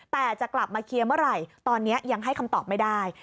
แต่จะกลับมาเคลียร์เมื่อไหร่ตอนนี้ยังให้คำตอบไม่ได้